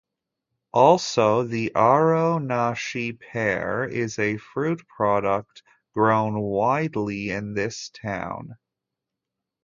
Also, the Arao nashi pear is a fruit product grown widely in this town.